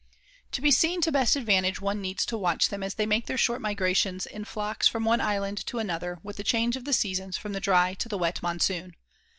To be seen to best advantage one needs to watch them as they make their short migrations in flocks from one island to another with the change of the seasons from the dry to the wet monsoon.